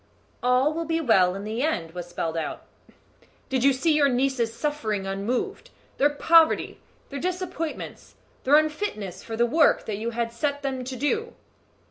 "All will be well in the end," was spelled out. "Did you see your nieces' sufferings unmoved their poverty, their disappointments, their unfitness for the work that you had set them to do?"